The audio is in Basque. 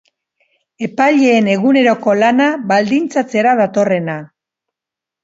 Epaileen eguneroko lana baldintzatzera datorrena.